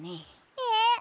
えっ？